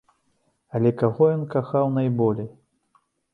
Але каго ён кахаў найболей?